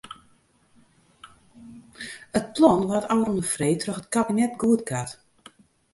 It plan waard ôfrûne freed troch it kabinet goedkard.